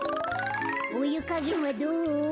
・おゆかげんはどう？